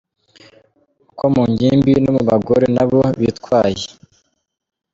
Uko mu ngimbi no mu bagore nabo bitwaye.